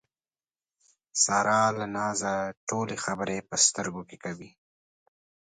ساره له نازه ټولې خبرې په سترګو کې کوي.